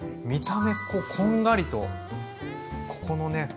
見た目こんがりとここのね